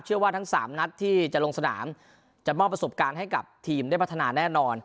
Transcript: ว่าทั้ง๓นัดที่จะลงสนามจะมอบประสบการณ์ให้กับทีมได้พัฒนาแน่นอน